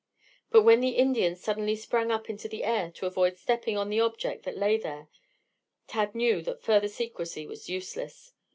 But when the Indian suddenly sprang up into the air to avoid stepping on the object that lay there, Tad knew that further secrecy was useless.